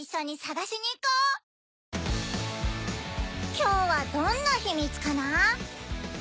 今日はどんなヒ・ミ・ツかな？